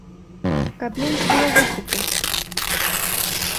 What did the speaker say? Каб менш было выкупу.